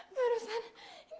tuhan tuhan tuhan